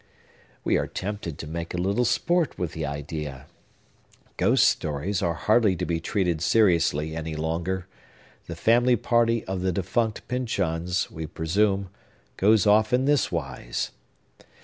We are tempted to make a little sport with the idea. Ghost stories are hardly to be treated seriously any longer. The family party of the defunct Pyncheons, we presume, goes off in this wise.